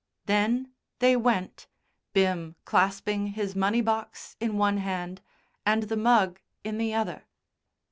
Then they went, Bim clasping his money box in one hand and the mug in the other.